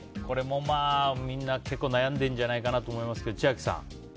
これもみんな結構悩んでるんじゃないかと思いますけど、千秋さん。